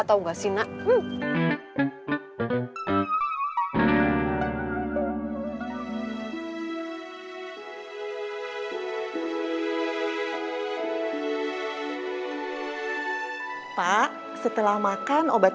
tau gak sih nak